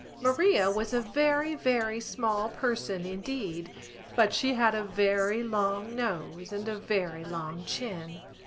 Maria was a very, very small person indeed but she had a very long nose and a very long chin.